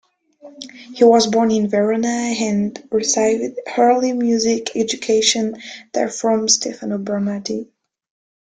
He was born in Verona and received early music education there from Stefano Bernardi.